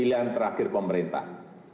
ini adalah pilihan terakhir pemerintah